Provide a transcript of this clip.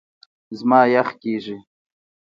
زما یخ کېږي .